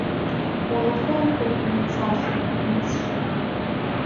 Уамашәа иҟоуп уи ицашьа, иӡшьа.